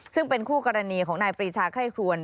ซึ่งเป็นคู่กรณีของนายปรีชาไคร่ครวน